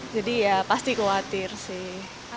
jadi ya pasti khawatir sih